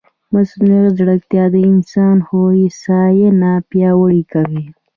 مصنوعي ځیرکتیا د انسان هوساینه پیاوړې کوي.